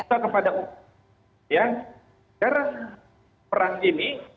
karena perang ini